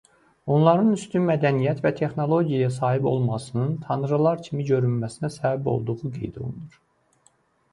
Onların üstün mədəniyyət və texnologiyaya sahib olmasının tanrılar kimi görünməsinə səbəb olduğu qeyd olunur.